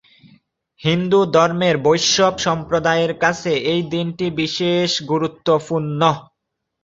হিন্দুধর্মের বৈষ্ণব সম্প্রদায়ের কাছে এই দিনটি বিশেষ গুরুত্বপূর্ণ।